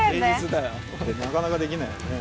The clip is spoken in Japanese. なかなかできないよね。